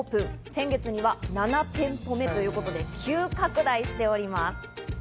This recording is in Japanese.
先月には７店舗目ということで、急拡大しております。